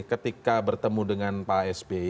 ketika bertemu dengan pak sby